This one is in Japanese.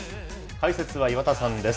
解説は岩田さんです。